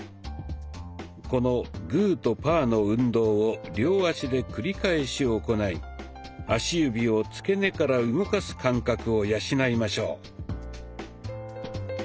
このグーとパーの運動を両足で繰り返し行い足指をつけ根から動かす感覚を養いましょう。